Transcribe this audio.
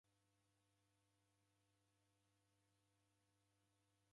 Kala koni kimu chiidie.